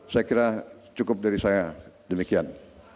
saya kira cukup dari saya demikian